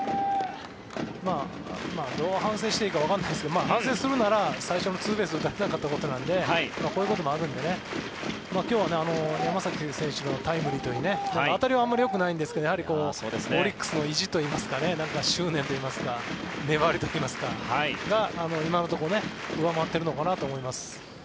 どう反省していいかわからないですけど反省するなら最初のツーベース打たれなかったところなのでこういうこともあるんで今日は、山崎という選手のタイムリーといい当たりはあまりよくないんですけどオリックスの意地といいますか執念といいますか粘りといいますかが今のところ上回ってるのかなと思います。